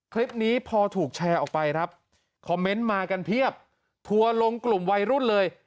คลิปนี้พอถูกแชร์ออกไปครับคอมเมนต์มากันเพียบทัวร์ลงกลุ่มวัยรุ่นเลย